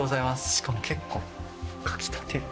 しかも結構、書きたて。